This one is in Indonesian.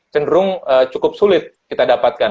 cenderung cukup sulit kita dapatkan